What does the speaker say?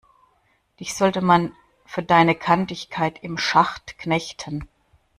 Dich sollte man für deine Kantigkeit im Schacht knechten!